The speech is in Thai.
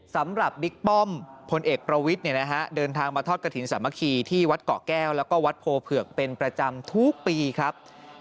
สำหรับบิ๊กป้อมพลเอกประวิทเนี่ยนะฮะเดินทางมาทอดกฐินสามัคคีที่วัดเกาะแก้วและวัดโพเผือกเป็นประจำทุกปีครับ